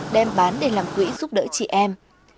đem bán để làm quỹ giúp đỡ chị em